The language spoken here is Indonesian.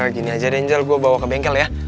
gini aja deh angel gue bawa ke bengkel ya